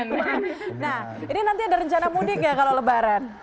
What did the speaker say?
nah ini nanti ada rencana mudik ya kalau lebaran